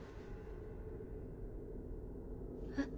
えっ？